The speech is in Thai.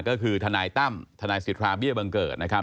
ก็คือทนายตั้มทนายสิทธาเบี้ยบังเกิดนะครับ